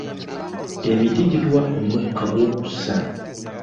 Emiti gituwa omukka gw'okussa.